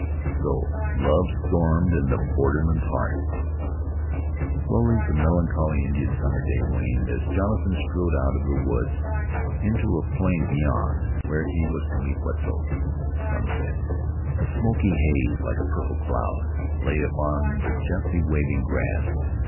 So love stormed in the borderman's heart. Slowly the melancholy Indian summer day waned as Jonathan strode out of the woods into a plain beyond, where he was to meet Wetzel at sunset. A smoky haze like a purple cloud lay upon the gently waving grass.